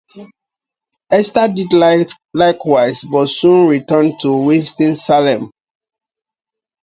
Easter did likewise, but soon returned to Winston-Salem.